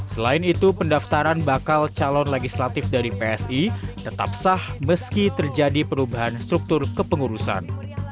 selain itu pendaftaran bakal calon legislatif dari psi tetap sah meski terjadi perubahan struktur kepengurusan